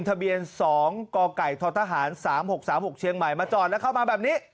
ทะเบียน๒กกททหาร๓๖๓๖เชียงใหม่มาจอดแล้วเข้ามาแบบนี้